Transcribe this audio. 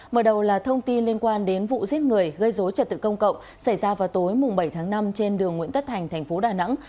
mở đầu là thông tin liên quan đến vụ giết người gây dối trật tự công cộng xảy ra vào tối bảy tháng năm trên đường nguyễn tất thành thành phố đà nẵng